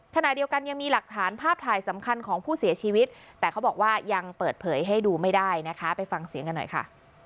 ขณะเดียวกันยังมีหลักฐานภาพถ่ายสำคัญของผู้เสียชีวิตแต่เขาบอกว่ายังเปิดเผยให้ดูไม่ได้นะคะไปฟังเสียงกันหน่อยค่ะ